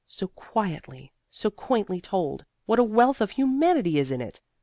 So quietly, so quaintly told, what a wealth of humanity is in it!